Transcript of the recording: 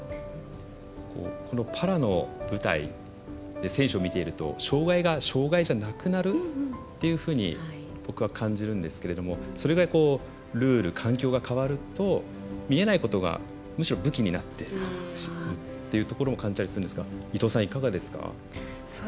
パラの舞台で選手を見ていると障がいが障がいじゃなくなるというふうに僕は感じるんですけれどもそれがルール環境が変わると見えないことがむしろ武器になってというところを感じたりするんですが伊藤さん、いかがですか？